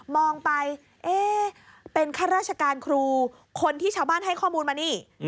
มองไปเอ๊ะเป็นข้าราชการครูคนที่ชาวบ้านให้ข้อมูลมานี่